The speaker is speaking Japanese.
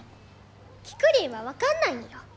キクリンは分かんないんよ